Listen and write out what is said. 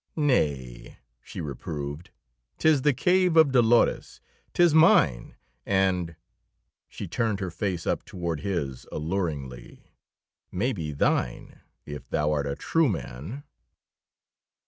"Nay," she reproved. "'Tis the Cave of Dolores. 'Tis mine, and" she turned her face up toward his alluringly "may be thine, if thou'rt a true man!"